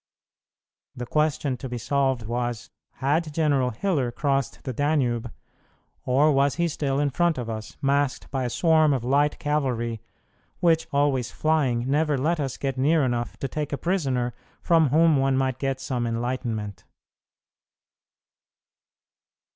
The question to be solved was, Had General Hiller crossed the Danube, or was he still in front of us, masked by a swarm of light cavalry, which, always flying, never let us get near enough to take a prisoner from whom one might get some enlightenment?